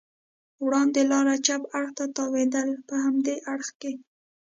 وړاندې لار چپ اړخ ته تاوېدل، په همدې اړخ کې.